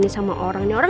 gigi sudah selesai